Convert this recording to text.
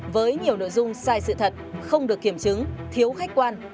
với nhiều nội dung sai sự thật không được kiểm chứng thiếu khách quan